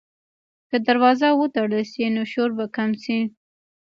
که دروازه وتړل شي، نو شور به کم شي.